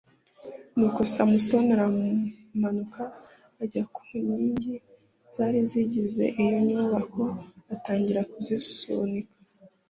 Nuko Samusoni aramanuka ajya kunkingi zarizigize iyo nyubako atangira kuzisunika